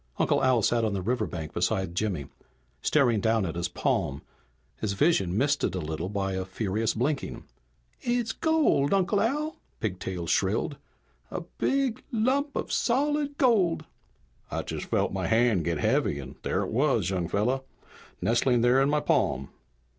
Uncle Al sat on the riverbank beside Jimmy, staring down at his palm, his vision misted a little by a furious blinking. "It's gold, Uncle Al!" Pigtail shrilled. "A big lump of solid gold " "I just felt my hand get heavy and there it was, young fella, nestling there in my palm!"